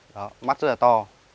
đó mắt rất là to